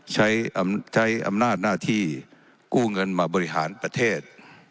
ใช้อำนาจหน้าที่กู้เงินมาบริหารประเทศ